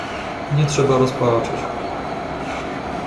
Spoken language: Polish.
"Nie trzeba rozpaczać."